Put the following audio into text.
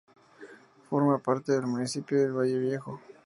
Forma parte del municipio de Valle Viejo.